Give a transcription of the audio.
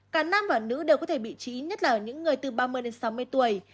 cả nam và nữ đều có thể bị trí nhất là ở những người từ ba mươi đến sáu mươi tuổi